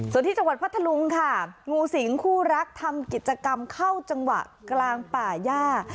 ส่วนที่จังหวัดพัทธลุงค่ะงูสิงคู่รักทำกิจกรรมเข้าจังหวะกลางป่าย่า